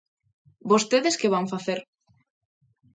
¿Vostedes que van facer?